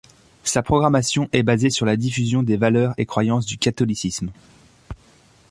Sa programmation est basée sur la diffusion des valeurs et croyances du catholicisme.